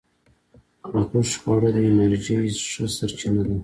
د غوښې خواړه د انرژی ښه سرچینه ده.